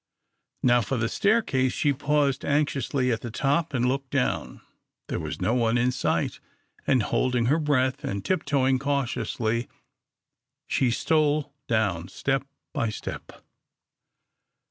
Now for the staircase. She paused anxiously at the top, and looked down. There was no one in sight, and holding her breath, and tiptoeing cautiously, she stole down step by step.